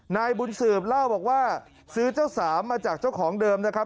นายบุญสืบเล่าบอกว่าซื้อเจ้าสามมาจากเจ้าของเดิมนะครับ